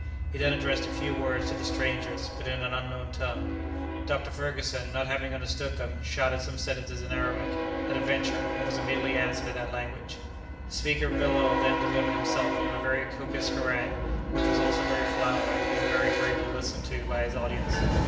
He then addressed a few words to the strangers, but in an unknown tongue. Dr. Ferguson, not having understood them, shouted some sentences in Arabic, at a venture, and was immediately answered in that language. The speaker below then delivered himself of a very copious harangue, which was also very flowery and very gravely listened to by his audience.